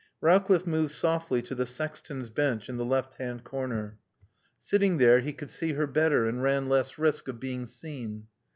Rowcliffe moved softly to the sexton's bench in the left hand corner. Sitting there he could see her better and ran less risk of being seen.